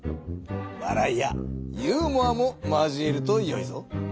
わらいやユーモアも交えるとよいぞ。